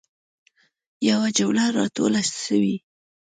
یوه جمله را توله سوي.